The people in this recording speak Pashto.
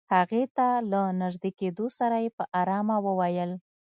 هغې ته له نژدې کېدو سره يې په آرامه وويل.